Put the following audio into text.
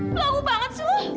belagu banget sih lo